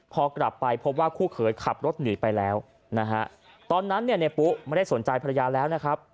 พอกลับไปพบว่าคู่เขยขับรถหนีไปแล้วนะฮะตอนนั้นเนี่ยในปุ๊ไม่ได้สนใจภรรยาแล้วนะครับ